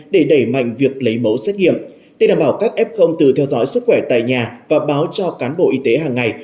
để đảm bảo các f từ theo dõi sức khỏe tại nhà và báo cho cán bộ y tế hàng ngày